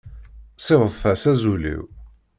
Siwḍet-as azul-iw.